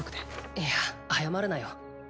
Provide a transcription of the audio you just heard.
いや謝るなよ。